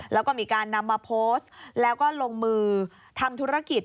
แล้วก็มีการนำมาโพสต์แล้วก็ลงมือทำธุรกิจ